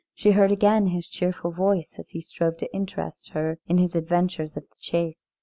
She heard again his cheerful voice as he strove to interest her in his adventures of the chase.